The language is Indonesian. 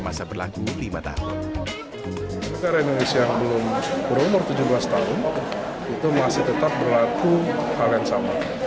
masa berlaku lima tahun negara indonesia yang belum berumur tujuh belas tahun itu masih tetap berlaku hal yang sama